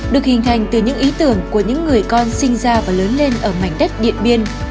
được hình thành từ những ý tưởng của những người con sinh ra và lớn lên ở mảnh đất điện biên